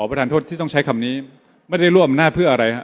ประธานโทษที่ต้องใช้คำนี้ไม่ได้ร่วมอำนาจเพื่ออะไรฮะ